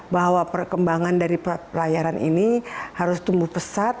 bahwa perkembangan dari pelayaran ini harus tumbuh pesat